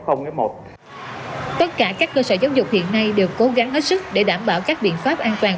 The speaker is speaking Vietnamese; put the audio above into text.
phòng tất cả các cơ sở giáo dục hiện nay đều cố gắng hết sức để đảm bảo các biện pháp an toàn